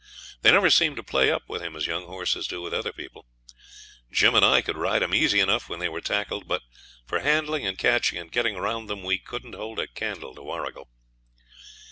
They never seemed to play up with him as young horses do with other people. Jim and I could ride 'em easy enough when they was tackled, but for handling and catching and getting round them we couldn't hold a candle to Warrigal.